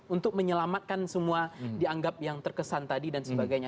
untuk menyelamatkan semua yang dianggap terkesan tadi dan sebagainya